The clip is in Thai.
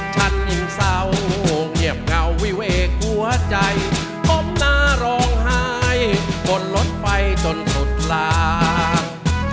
ฉันยิ่งเศร้าเหยียบเหงาวิวเอกหัวใจอมนาร้องหายบ่นลดไปจนถูกลาก